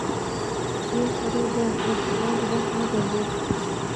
يوه سړي د ازدواج وس نه درلود.